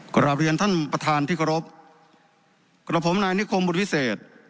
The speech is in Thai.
กลับเรียนท่านประธานที่เคารพกับผมนายนิคมบุญวิเศษ